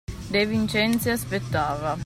De Vincenzi aspettava.